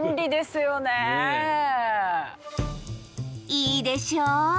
いいでしょ！